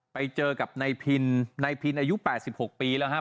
ไปเจอกับนายพินนายพินอายุ๘๖ปีแล้วครับ